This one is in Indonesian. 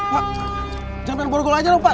pak jangan main pukul aja dong pak